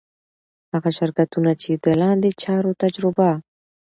هغه شرکتونه چي د لاندي چارو تجربه